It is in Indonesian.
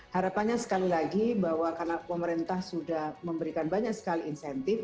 harapannya sekali lagi bahwa karena pemerintah sudah memberikan banyak sekali insentif